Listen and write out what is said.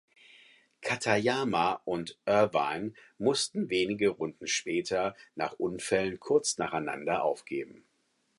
Katayama und Irvine mussten wenige Runden später nach Unfällen kurz nacheinander aufgeben.